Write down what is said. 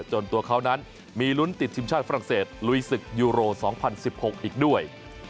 ตัวเขานั้นมีลุ้นติดทีมชาติฝรั่งเศสลุยศึกยูโร๒๐๑๖อีกด้วย